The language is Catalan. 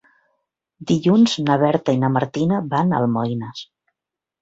Dilluns na Berta i na Martina van a Almoines.